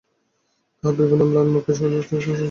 তাহার বিবর্ণ ম্লান মুখে মুহূর্তেই দীপ্তির সঞ্চার হইল।